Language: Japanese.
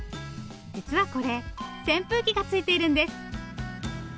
実はこれ扇風機がついているんです。